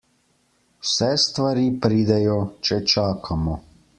Vse stvari pridejo, če čakamo.